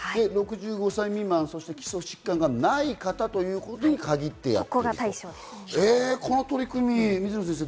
６５歳未満、そして基礎疾患がない方ということに限ってやると、この取り組み、水野先生